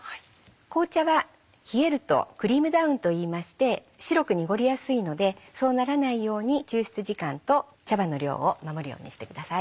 紅茶は冷えるとクリームダウンといいまして白く濁りやすいのでそうならないように抽出時間と茶葉の量を守るようにしてください。